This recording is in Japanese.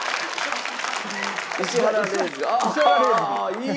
いい！